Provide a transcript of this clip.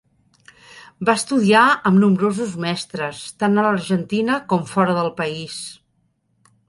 Va estudiar amb nombrosos mestres, tant a l'Argentina com fora del país.